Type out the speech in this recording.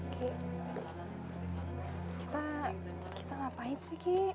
ki kita ngapain sih ki